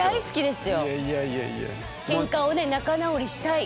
「ケンカをね仲直りしたい」